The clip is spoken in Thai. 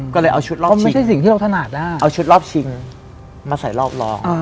ก็เลยเอาชุดรอบชิงเอาชุดรอบชิงมาใส่รอบรอง